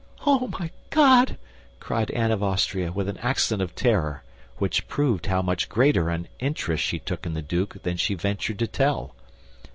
"Oh, my God!" cried Anne of Austria, with an accent of terror which proved how much greater an interest she took in the duke than she ventured to tell.